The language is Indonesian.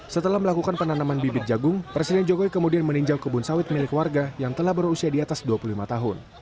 setelah melakukan penanaman bibit jagung presiden jokowi kemudian meninjau kebun sawit milik warga yang telah berusia di atas dua puluh lima tahun